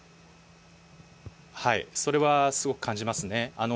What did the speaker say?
それはすごく感じますね。